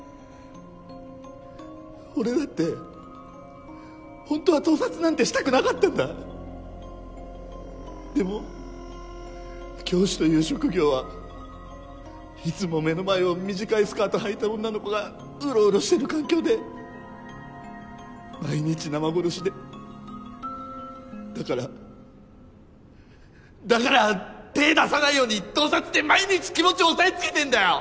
俺だって本当は盗撮なんてしたくなかったんだでも教師という職業はいつも目の前を短いスカートはいた女の子がウロウロしてる環境で毎日生殺しでだからだから手出さないように盗撮で毎日気持ち抑えつけてんだよ！